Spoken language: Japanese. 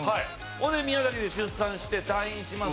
それで宮崎で出産して退院します